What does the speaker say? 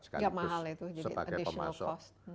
nggak mahal itu jadi additional cost